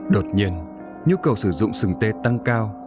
đột nhiên nhu cầu sử dụng sừng tê tăng cao